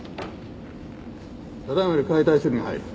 ただ今より解体処理に入る。